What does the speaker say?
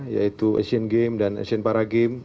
yaitu asian games dan asian para games